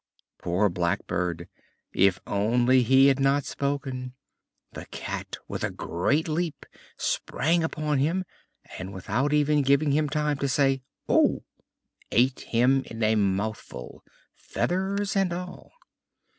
Poor Blackbird! If only he had not spoken! The Cat, with a great leap, sprang upon him, and without even giving him time to say "Oh!" ate him in a mouthful, feathers and all.